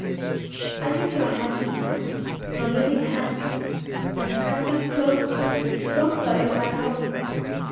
I took your hand in mine, your living hand! And pressed it closer, closer in mine own.